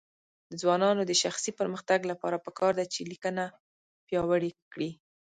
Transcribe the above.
د ځوانانو د شخصي پرمختګ لپاره پکار ده چې لیکنه پیاوړې کړي.